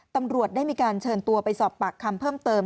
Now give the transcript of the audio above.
ตำรวจได้มีการเชิญตัวไปสอบปากคำเพิ่มเติม